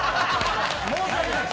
申し訳ないです。